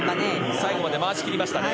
最後まで回し切りましたね。